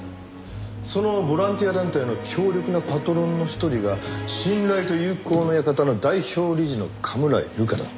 そのボランティア団体の強力なパトロンの一人が信頼と友好の館の代表理事の甘村井留加だった。